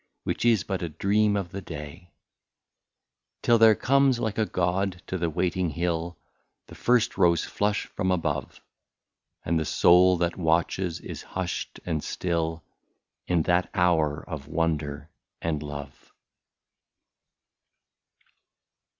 Which is but a dream of the day ; Till there comes, like a god, to the waiting hill. The first rose flush from above. And the soul that watches is hushed and still, In that hour of wonder and love.